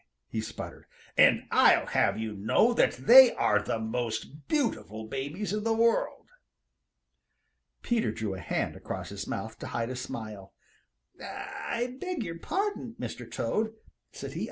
he sputtered. "And I'll have you know that they are the most beautiful babies in th' world!" Peter drew a hand across his mouth to hide a smile. "I beg your pardon, Mr. Toad," said he.